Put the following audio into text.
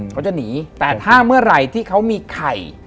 เขาจะหนีแต่ถ้าเมื่อไหร่ที่เขามีไข่